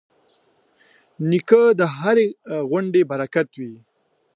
نیکه د هرې غونډې برکت وي.